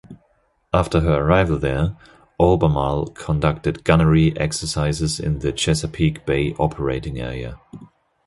After her arrival there, "Albemarle" conducted gunnery exercises in the Chesapeake Bay operating area.